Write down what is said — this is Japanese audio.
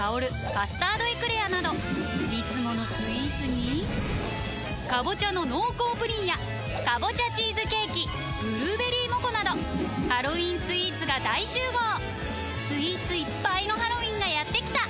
「カスタードエクレア」などいつものスイーツに「かぼちゃの濃厚プリン」や「かぼちゃチーズケーキ」「ぶるーべりーもこ」などハロウィンスイーツが大集合スイーツいっぱいのハロウィンがやってきた！